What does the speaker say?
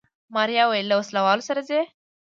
ماريا وويل له وسله والو سره ځي.